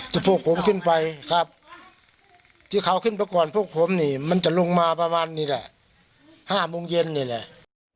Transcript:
พวกผมขึ้นไปครับที่เขาขึ้นไปก่อนพวกผมนี่มันจะลงมาประมาณนี้แหละ๕โมงเย็นนี่แหละ